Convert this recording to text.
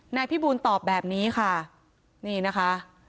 นายพี่บูลตอบแบบนี้ค่ะนี่นะคะ